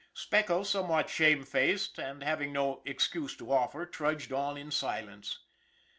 Speckles, somewhat shamefaced, and having no excuse to offer, trudged on in silence.